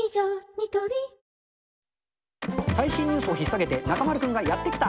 ニトリ最新ニュースを引っ提げて、中丸君がやって来た。